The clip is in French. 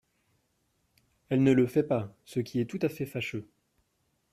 Elle ne le fait pas, ce qui est tout à fait fâcheux.